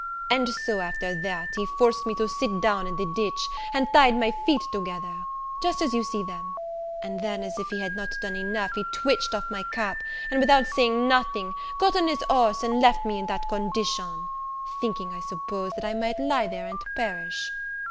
And so, after that, he forced me to sit down in the ditch, and he tied my feet together, just as you see them: and then, as if he had not done enough, he twitched off my cap, and without saying nothing, got on his horse and left me in that condition; thinking, I suppose, that I might lie there and perish."